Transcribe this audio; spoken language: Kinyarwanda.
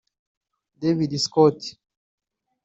David Scott